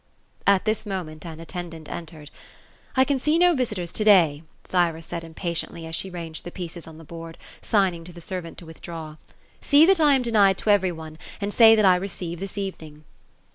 At this moment, an attendant entered. "I can see no visitors to day ;" Thyra said impatiently, as she ranged the pieces on the board, signing to the servant to withdraw. " See that I am denied to every ono ; and say that I receive, this evening."